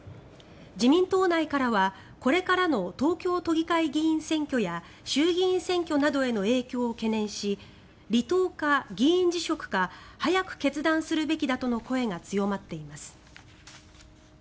自民党内からはこれからの東京都議会議員選挙や衆議院選挙などへの影響を懸念し離党か議員辞職か早く決断すべきだとの声が強まっています。